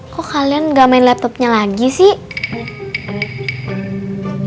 kok kalian gak main laptopnya lagi sih